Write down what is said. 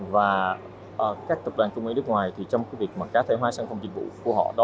và các tập đoàn công nghệ nước ngoài trong việc cá thể hóa các sản phẩm dịch vụ của họ